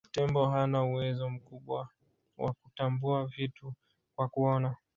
Tembo hana uwezo mkubwa wa kutambua vitu kwa kuona